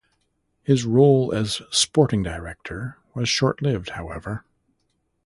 His role as sporting director was short-lived, however.